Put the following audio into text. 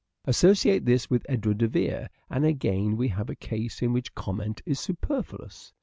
Associate this with Edward de Vere and again we have a case in which comment is superfluous.